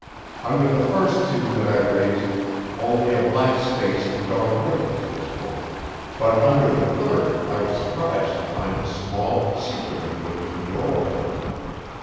Under the first two that I raised only a blank space of dark wood was visible, but under the third I was surprised to find a small, secretive looking door.